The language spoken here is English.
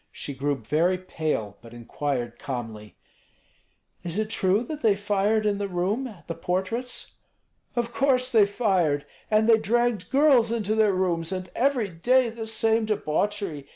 She grew very pale, but inquired calmly, "Is it true that they fired in the room, at the portraits?" "Of course they fired! And they dragged girls into their rooms, and every day the same debauchery.